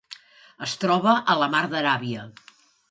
Es troba a la Mar d'Aràbia.